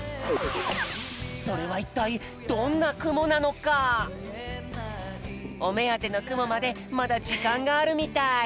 それはいったいおめあてのくもまでまだじかんがあるみたい。